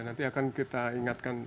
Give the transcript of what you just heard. nanti akan kita ingatkan